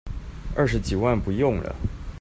二十幾萬不用了